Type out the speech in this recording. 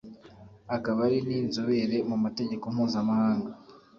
akaba ari ni inzobere mu mategeko mpuzamahanga